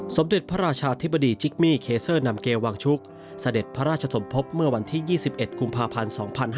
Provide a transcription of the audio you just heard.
สมเด็จพระราชาธิบดีจิกมี่เคเซอร์นำเกวางชุกเสด็จพระราชสมภพเมื่อวันที่๒๑กุมภาพันธ์๒๕๕๙